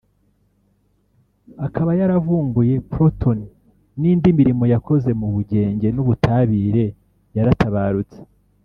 akaba yaravumbuye Proton n’indi mirimo yakoze mu bugenge n’ubutabire yaratabarutse